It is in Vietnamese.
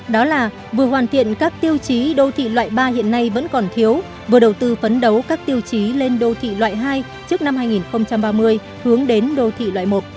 đó là vừa hoàn thiện các tiêu chí đô thị loại ba hiện nay vẫn còn thiếu vừa đầu tư phấn đấu các tiêu chí lên đô thị loại hai trước năm hai nghìn ba mươi hướng đến đô thị loại một